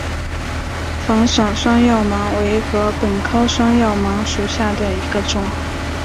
伞房双药芒为禾本科双药芒属下的一个种。